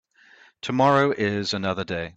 Tomorrow is another day.